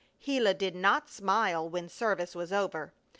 Gila did not smile when service was over.